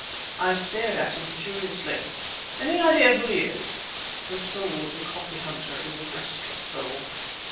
I stared at him curiously. "Any idea who he is?" (The soul of the copyhunter is a restless soul.)